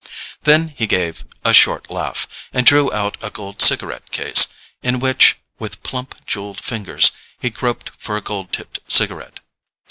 Then he gave a short laugh, and drew out a gold cigarette case, in which, with plump jewelled fingers, he groped for a gold tipped cigarette.